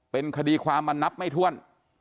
เป็นคดีความมานับไม่ถ้วน